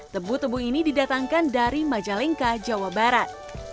tebu tebu ini didatangkan dari majalengka jawa barat